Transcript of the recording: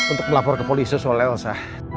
untuk melapor ke polisi soal elsa